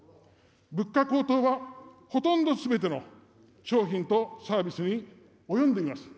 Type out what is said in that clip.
物価高騰はほとんどすべての商品とサービスに及んでいます。